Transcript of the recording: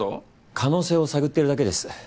可能性を探ってるだけです。